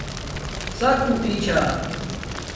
ڎک ہوٹی چھا